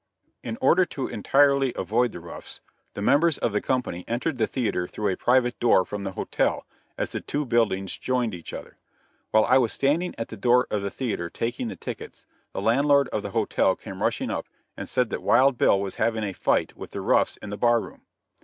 In order to entirely avoid the roughs, the members of the company entered the theater through a private door from the hotel, as the two buildings joined each other. While I was standing at the door of the theater taking the tickets, the landlord of the hotel came rushing up and said that Wild Bill was having a fight with the roughs in the bar room.